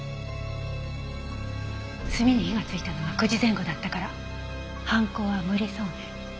炭に火がついたのは９時前後だったから犯行は無理そうね。